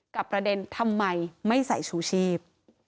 ประเด็นทำไมไม่ใส่ชูชีพ